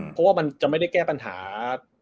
เพราะว่ามันจะไม่ได้แก้ปัญหา